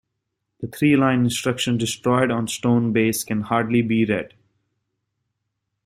The three-line instruction destroyed on stone base can hardly be read.